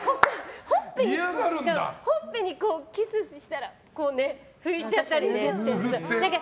ほっぺにキスしたらこうね、拭いちゃったりとか。